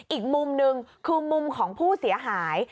อีกมุมหนึ่งคือมุมของผู้เสียหาย